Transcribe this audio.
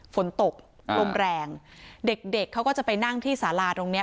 ฝนตกลมแรงเด็กเด็กเขาก็จะไปนั่งที่สาราตรงเนี้ย